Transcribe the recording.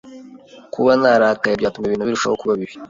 Kuba narakaye byatumye ibintu birushaho kuba bibi.